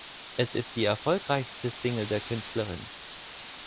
Es ist die erfolgreichste Single der Künstlerin.